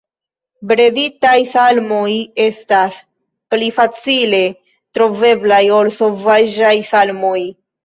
Breditaj salmoj estas pli facile troveblaj ol sovaĝaj salmoj.